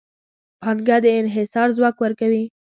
پانګه د انحصار ځواک ورکوي.